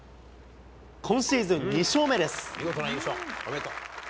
今シーズン２勝目です。